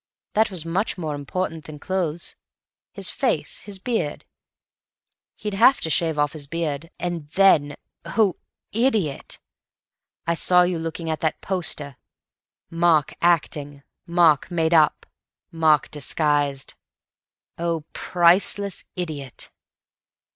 That was much more important than clothes. His face, his beard—he'd have to shave off his beard—and then—oh, idiot! I saw you looking at that poster. Mark acting, Mark made up, Mark disguised. Oh, priceless idiot!